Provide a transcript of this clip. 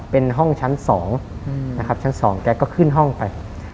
เป็นห้องชั้น๒แกก็ขึ้นห้องไป